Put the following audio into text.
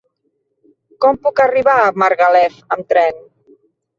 Com puc arribar a Margalef amb tren?